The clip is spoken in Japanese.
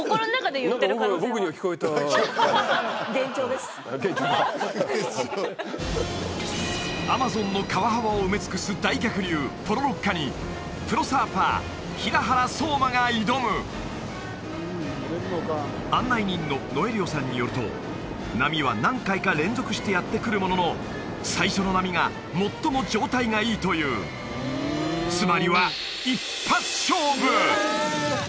何か幻聴です幻聴かアマゾンの川幅を埋め尽くす大逆流ポロロッカにプロサーファー平原颯馬が挑む案内人のノエリオさんによると波は何回か連続してやって来るものの最初の波が最も状態がいいというつまりは一発勝負！